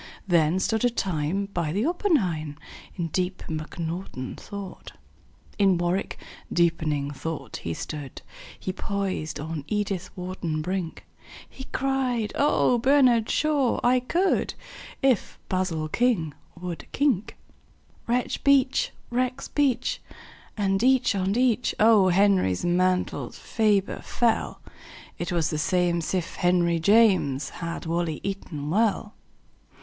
Then stood a time by the oppenheim In deep mcnaughton thought. In warwick deeping thought he stood He poised on edithwharton brink; He cried, "Ohbernardshaw! I could If basilking would kink." Rexbeach! rexbeach! and each on each O. Henry's mantles ferber fell. It was the same'sif henryjames Had wally eaton well.